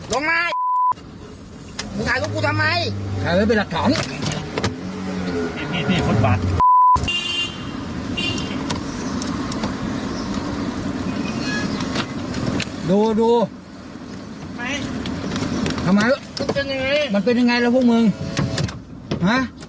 ดูดูทำไมมันเป็นยังไงมันเป็นยังไงแล้วพวกมึงฮะ